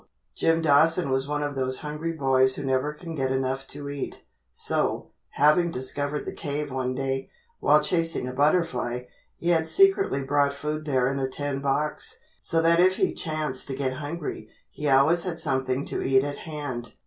Jim Dawson was one of those hungry boys who never can get enough to eat, so, having discovered the cave one day, while chasing a butterfly, he had secretly brought food there in a tin box, so that if he chanced to get hungry, he always had something to eat at hand.